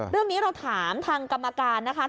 เรื่องนี้เราถามทางกรรมการนะคะ